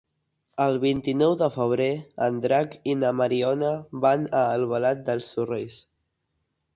El vint-i-nou de febrer en Drac i na Mariona van a Albalat dels Sorells.